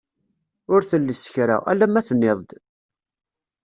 Ur telles kra, alamma tenniḍ-d!